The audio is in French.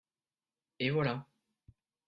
et voilà.